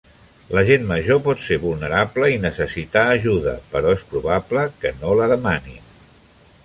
La gent major pot ser vulnerable i necessitar ajuda, però és probable que no la demanin.